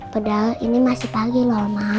padahal ini masih pagi loh mas